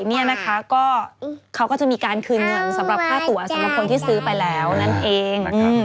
แล้วก็เขาก็จะมีการคืนเงินสำหรับค่าตั๋วสำหรับคนที่ซื้อไปแล้วนั่นเอง